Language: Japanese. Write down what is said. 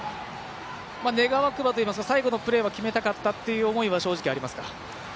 願わくば、最後のプレーは決めたかったという思いは正直、ありますか。